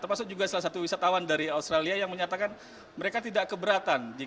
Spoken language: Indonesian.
termasuk juga salah satu wisatawan dari australia yang menyatakan mereka tidak keberatan